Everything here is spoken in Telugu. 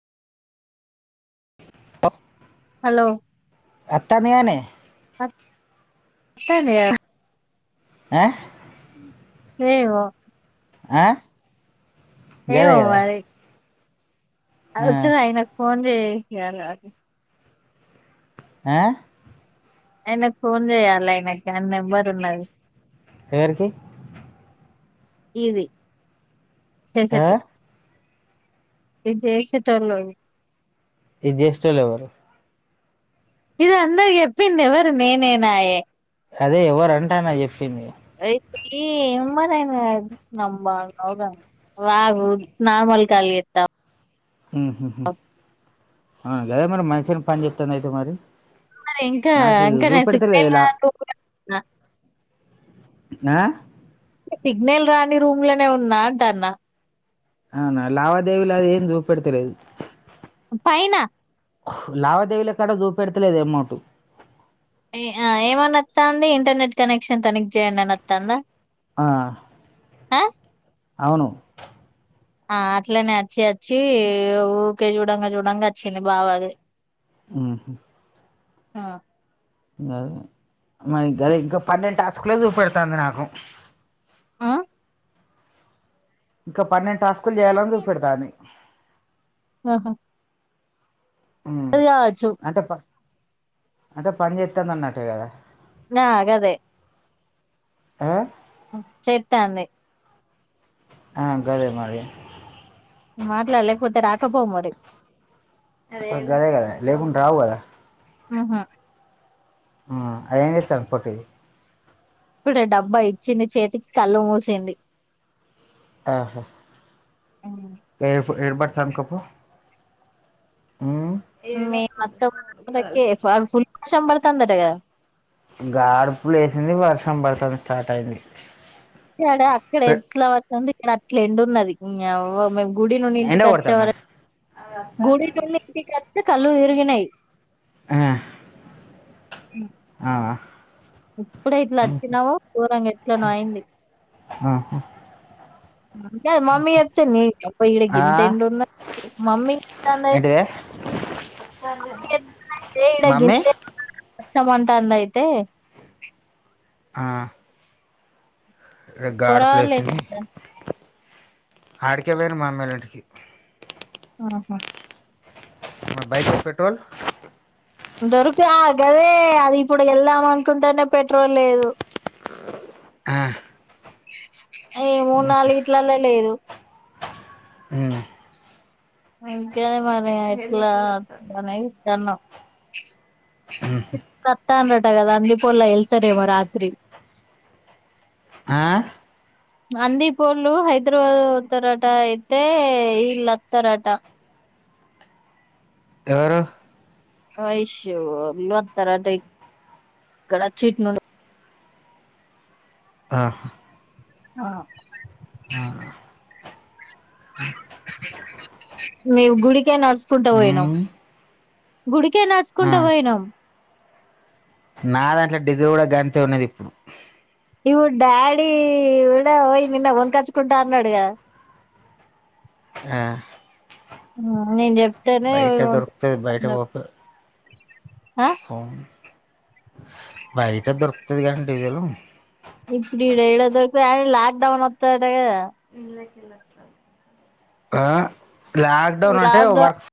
హా హలో అత్తన్న యనే వస్తున కథ హా ఏమో ఆ గదే ఏమో కదా మరి ఆ? ఒకసారి ఆయనకు ఫోన్ చే [unintelligible] ఆ ఆయనకు ఫోన్ చెయాలె ఆయనకి నా కదా ఆ నెంబర్ ఉన్నది. ఎవరికి ఇది చేస్తా ఆ? ఇది సేసే [inaudible] నీకు చేసితలోవారు ఇది అందర్కి చెప్పింది ఎవరు నేనేనాయే అదే ఎవర్ అంటానా చెప్పింది ఈ [inaudible] వాగు నార్మల్ కాల్ చేస్తా హ్ హ్ హ్ ఆ గదే మరి మంచిగనే పని చెత్తండు. అయితే మరి మరీ ఇంకా నాకు ఇంకా నేను చూపెడతలేదు సిగ్నల్ ఇలా రాని రూం కు నా ఆ సిగ్నల్ రాని రూమ్ లోనే ఉన్నా అంటన్న అవునా లావాదేవీలు అదేం చూపెడతలేదు. పైన లావాదేవీలెక్కడ చూపెడతలేదే ఎమౌంట్ ఆ ఏమని ఆత్తంది ఇంటర్నెట్ కనెక్షన్ తనిఖీ చేయండి అని ఆత్తందా. ఆ హా అవును ఆ అట్లనే అచ్చి అచ్చి ఊకే చూడంగా చూడంగా వచ్చింది బావా అది హ్ హు ఆ గాదుగా మరి గదే ఇంక పన్నెండు టాస్క్లే చూపెడుతాంది నాకు ఆ ఇంక పన్నెండు టాస్క్ స్కుకులు చేయాలని చూపెడతాంది. ఆహా మ్మ్ అది కావచ్చు అంటే పడ్ అంటే పని చేత్తాంది. అన్నట్టు గాదా ఆ గదే ఆ చేత్తాంది. ఆ గదే మరి మాట్లాడు లేకపోతే రాకపోవు మరి గదే కదా లేకుంటే రావు కదా ఆ హ ఆది ఏం చేత్తాంది. పొట్టిది ఇప్పుడే డబ్బా ఇచ్చింది చేతికి కళ్ళు మూసింది. ఆహా ఉమ్. ఇడు బాట్లు అంద్కో పో మీ అత్తమ్మొల్లకే పవర్ఫుల్ వర్షం పడుతందటగా గాడ్పు లేసింది వర్షం పడతంది. స్టార్ట్ అయింది ఇక్కడ అక్కడ ఎట్లా ఉంది ఇక్కడ అట్ల ఎండున్నది. నీ యవ్వ మేం గుడి నుండి ఎండ కొడతాందా ఇంటికచ్చేవరకు గుడి నుండి ఇంటి కత్తె కళ్లు తిరిగినై హా ఉమ్. ఆ వ్వ ఇప్పుడే ఇట్లా వచ్చినము గోరంగా ఎట్లనో అయింది ఆహా మమ్మీ చెప్స్తా న అప్ప ఇక్కడ ఆ గింత ఎండ ఉన్న మమ్మీయి మమ్ ఏంటిదే ఇడ మమ్మీ గింత [unintelligible] కచ్చంటా అంద అయితే [unintelligible] ఆ గాడుపులు పోరాగాళ్ళు ఏం వేసింది చేతల్లు ఆడికే పోయిర్రు మామీ ఇంటికి ఆహా మ బైక్కి పెట్రోల్ దొరక గదే అది ఇప్పుడు వెళ్దాం అనుకుంటేనే పెట్రోల్ లేదు ఆ ఏ మూడు నాలుగు ఇట్లల్లో లేదు అ అకే [unintelligible] మరి ఎట్లా అనే సుత్తాన్నం అతండట కదా వంది పోలా వెళ్తారేమో రాత్రి ఆ అందిీ పోళు హైదరాబాద్ పోతరాట అయితే ఇలత్తరాట ఎవరు అయషో లోతారంట ఎక్కడచ్చి ఇటునుండి ఆా ఆ ఆ మేము గుడికే నడుచుకుంటా పోయినాం ఉమ్ గుడికే ఆ నడుచుకుంటా పోయినాం నా దాంట్లో డిసీల్ కూడా గాంతే ఉన్నది ఇగో డాడీ కూడా పోయి నిన్న కొనుకచ్చుకుంటా అన్నాడు కదా ఆ ఆ నిన్ చెప్ బయట దొర్తే బయట పంప ఆ ఫో బయట దొరుకుతది కని డిజిల్ ఇప్పుడిడ ఏడ దొరుకుతాది లక్డౌన్ వత్తాదాటకద ఆ లాక్ డౌన్ అంటే వర్క్